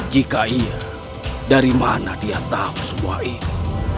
jika iya dari mana dia tahu semua ini